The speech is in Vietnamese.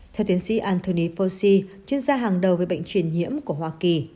theo tiến sĩ anthony fauci chuyên gia hàng đầu với bệnh truyền nhiễm của hoa kỳ